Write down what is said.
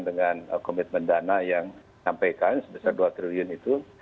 dengan komitmen dana yang nyampaikan sebesar dua triliun itu